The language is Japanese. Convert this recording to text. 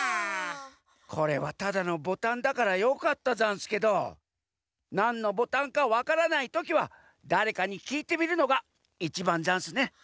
これはただのボタンだからよかったざんすけどなんのボタンかわからないときはだれかにきいてみるのがいちばんざんすね。